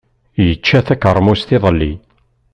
Yečča takeṛmust iḍelli.